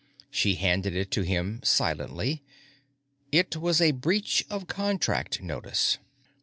She handed it to him silently. It was a Breach of Contract notice.